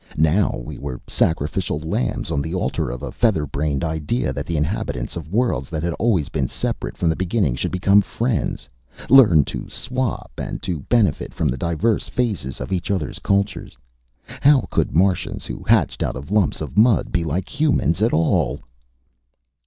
Now we were sacrificial lambs on the altar of a featherbrained idea that the inhabitants of worlds that had always been separate from the beginning should become friends, learn to swap and to benefit from the diverse phases of each other's cultures. How could Martians who hatched out of lumps of mud be like humans at all?